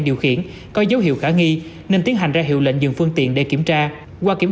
điều khiển có dấu hiệu khả nghi nên tiến hành ra hiệu lệnh dừng phương tiện để kiểm tra qua kiểm